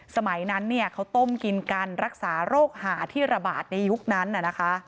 สมัยนั้นเขาต้มกินกันรักษาโรคหาที่ระบาดในยุคนั้น